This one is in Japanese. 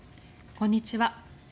こんにちは。